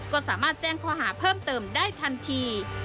ก็สามารถแจ้งข้อหาเพิ่มเติมได้ทันที